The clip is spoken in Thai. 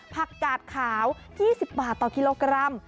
กาดขาว๒๐บาทต่อกิโลกรัม